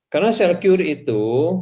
karena selcure itu